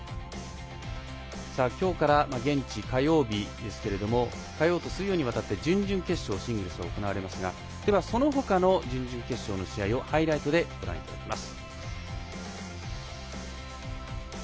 さあ、現地は火曜日ですけれども火曜と水曜にわたって準々決勝シングルス行われますがその他の準々決勝の試合をハイライトでご覧いただきます。